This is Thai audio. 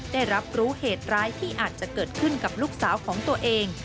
ได้รับรู้เหตุร้ายที่อาจจะเกิดขึ้นกับลูกสาวของตัวเอง